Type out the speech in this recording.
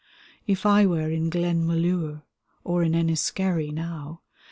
If I were in Glenmalure, or in Enniskerry now.